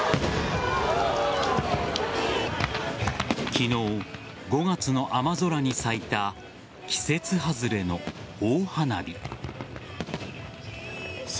昨日、５月の雨空に咲いた季節外れの大花火。